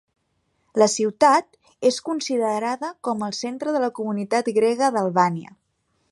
La ciutat és considerada com el centre de la comunitat grega d'Albània.